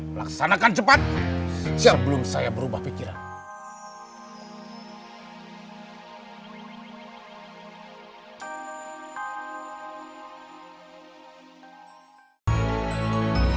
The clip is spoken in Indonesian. melaksanakan cepat sebelum saya berubah pikiran